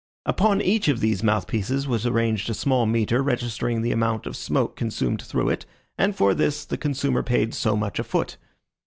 Upon each of these mouth pieces was arranged a small meter registering the amount of smoke consumed through it, and for this the consumer paid so much a foot.